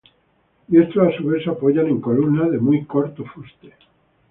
Y estos a su vez se apoyan en columnas de muy corto fuste.